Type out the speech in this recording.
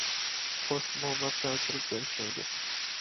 خوش، موما، سەل تۇرۇپ كۆرۈشەيلى!